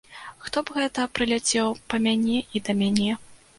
Хто б гэта прыляцеў па мяне і да мяне?